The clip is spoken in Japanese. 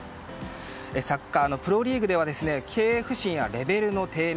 サッカーのプロリーグでは経営不振やレベルの低迷